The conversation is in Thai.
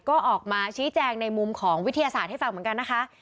ก็ออกมาชี้แจงในมุมของวิทยาศาสตร์ให้ฟังเหมือนกันนะคะ